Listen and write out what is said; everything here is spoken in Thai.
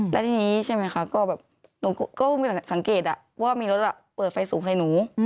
แล้วทีนี้ใช่ไหมคะก็แบบหนูก็สังเกตว่ามีรถเปิดไฟสูงใส่หนู